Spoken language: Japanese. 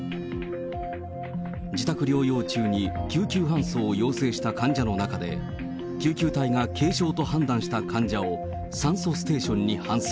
自宅療養中に救急搬送を要請した患者の中で、救急隊が軽症と判断した患者を酸素ステーションに搬送。